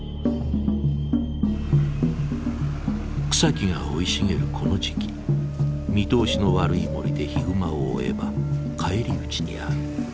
草木が生い茂るこの時期見通しの悪い森でヒグマを追えば返り討ちに遭う。